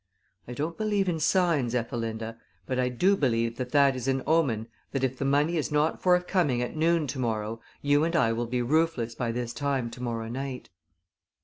I don't believe in signs, Ethelinda, but I do believe that that is an omen that if the money is not forthcoming at noon to morrow you and I will be roofless by this time to morrow night."